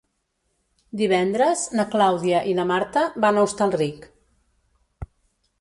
Divendres na Clàudia i na Marta van a Hostalric.